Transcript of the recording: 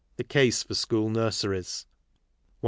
The. Case for School Nurseries. 140.